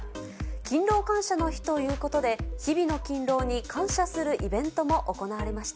勤労感謝の日ということで、日々の勤労に感謝するイベントも行われました。